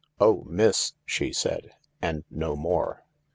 " Oh, miss !" she said, and no more.